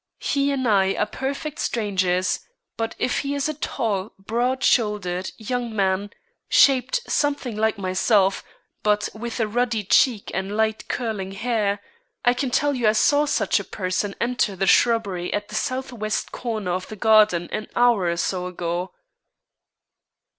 He and I are perfect strangers; but if he is a tall, broad shouldered, young man, shaped something like myself, but with a ruddy cheek and light curling hair, I can tell you I saw such a person enter the shrubbery at the southwest corner of the garden an hour or so ago."